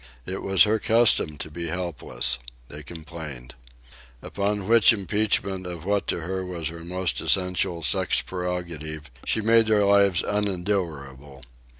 It was her custom to be helpless. They complained. Upon which impeachment of what to her was her most essential sex prerogative, she made their lives unendurable.